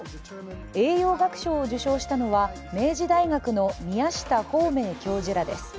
栄養学賞を受賞したのは明治大学の宮下芳明教授らです。